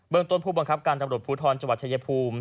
เบื้องต้นผู้บังคับการตำรวจภูทรจัวร์ชะเยภูมิ